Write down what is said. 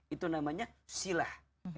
itu namanya silah